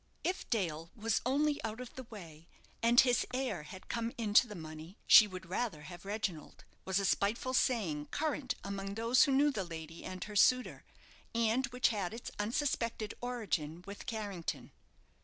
"If Dale was only out of the way, and his heir had come into the money, she would rather have Reginald," was a spiteful saying current among those who knew the lady and her suitor, and which had its unsuspected origin with Carrington.